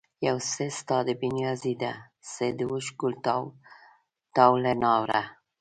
یو څه ستا د بې نیازي ده، څه د اوښکو تاو له ناره